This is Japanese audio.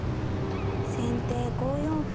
先手５四歩。